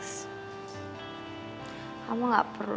kamu gak perlu